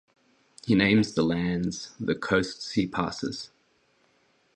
He names the lands the coasts he passes.